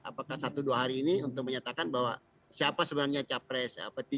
apakah satu dua hari ini untuk menyatakan bahwa siapa sebenarnya capres p tiga